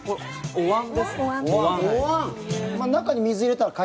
おわん。